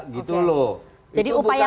gitu loh jadi upaya